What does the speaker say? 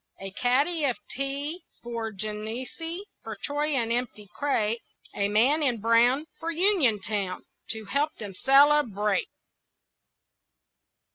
A kaddy of tea For Genessee, For Troy an empty crate, A man in brown For Uniontown To help them celebrate.